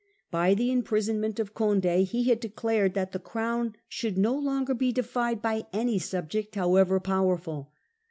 By the imprisonment of Cond£ he had declared that the Crown should no longer be defied by any subject, however powerful.